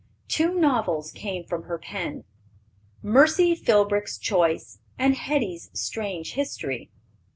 Two novels came from her pen, Mercy Philbrick's Choice and Hetty's Strange History.